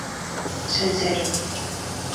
Sen selo.